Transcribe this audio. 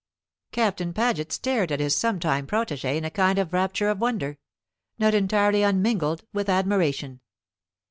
Captain Paget stared at his sometime protégé in a kind of rapture of wonder, not entirely unmingled with admiration.